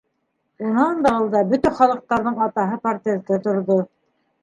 Унан да алда бөтә халыҡтарҙың атаһы портреты торҙо.